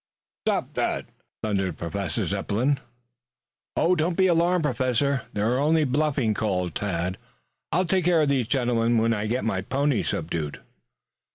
"Stop that!" thundered the Professor. "Don't be alarmed, Professor. They are only bluffing," called Tad. "I'll take care of these gentlemen when I get my pony subdued."